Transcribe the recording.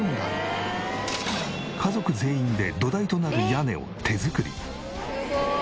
家族全員で土台となる屋根を手作り。